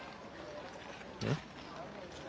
えっ？